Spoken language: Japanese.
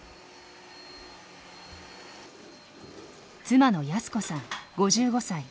妻の恭子さん５５歳。